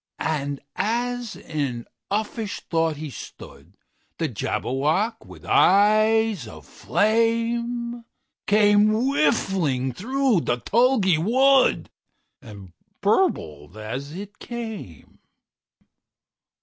And as in uffish thought he stood, The Jabberwock, with eyes of flame, Came whiffling through the tulgey wood, And burbled as it came!